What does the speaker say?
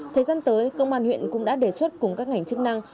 thời gian tới công an huyện cũng đã đề xuất cùng các ngành chức năng